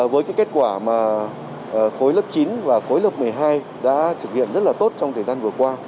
với cái kết quả mà khối lớp chín và khối lớp một mươi hai đã thực hiện rất là tốt trong thời gian vừa qua